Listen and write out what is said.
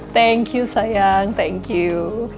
thank you sayang thank you